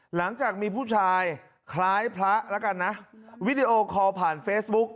หลังจากมีผู้ชายคล้ายพระแล้วกันนะวิดีโอคอลผ่านเฟซบุ๊ก